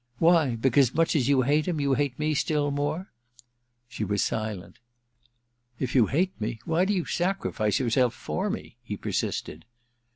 * Why ? Because, much as you hate him, you hate me still more ?' She was silent. * If you hate me, why do you sacrifice your self for me ?' he persisted.